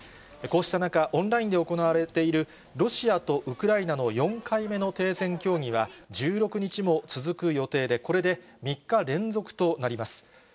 こうした中、オンラインで行われているロシアとウクライナの４回目の停戦協議は、１６日も続く予定で、これで３日連続となります。